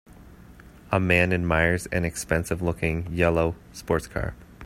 A man admires an expensive looking, yellow, sports car.